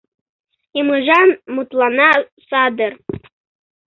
Йымыжан мутлана садер.